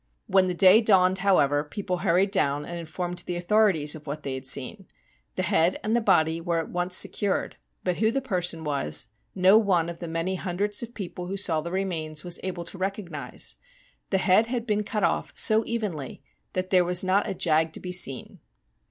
When the day dawned, however, people hurried down and in formed the authorities of what they had seen. The head and the body were at once secured, but who the person was, no one of the many hundreds of people who saw the remains was able to recognise. The head had been cut off so evenly that there was not a jag to be seen.